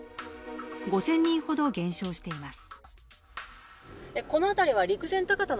５０００人ほど減少しています。